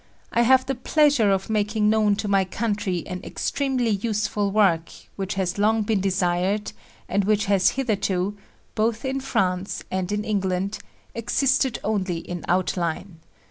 I have the pleasure of making known to my country an extremely useful work which has long been desired, and which has hitherto" both in France and in England "existed only in outline.